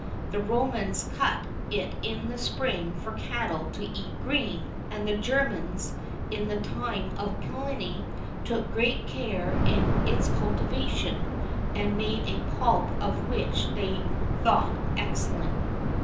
[II 14] The Romans cut it in the spring for the cattle to eat green; and the Germans, in the time of Pliny, took great care in its cultivation, and made a pulp of it which they thought excellent.